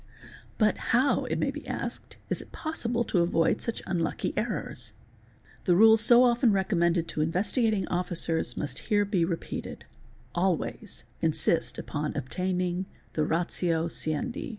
But how, it may be asked, is it possible to avoid such unlucky errors? The rule so often recommended to Investigating Officers must here be repeated: always insist upon obtaining the ratio sciendi.